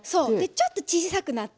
ちょっと小さくなって。